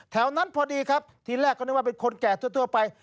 นั้นพอดีครับทีแรกก็นึกว่าเป็นคนแก่ทั่วไป